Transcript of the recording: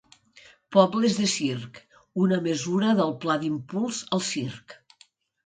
Pobles de Circ, una mesura del Pla d'Impuls al Circ.